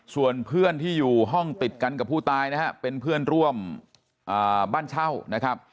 ส่วนเพื่อนที่อยู่ห้องติดกันกับผู้ตายนะฮะเป็นเพื่อนร่วมบ้านเช่านะครับ